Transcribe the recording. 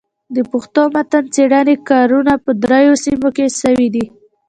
د پښتو متن څېړني کارونه په درو سيمو کي سوي دي.